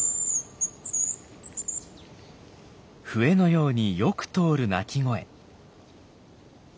笛のようによく通る鳴き声。